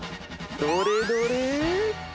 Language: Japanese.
どれどれ？